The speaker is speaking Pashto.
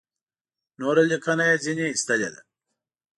نوره لیکنه یې ځنې ایستلې ده.